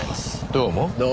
どうも。